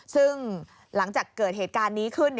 ซึ่งหลังจากเกิดเหตุการณ์นี้ขึ้น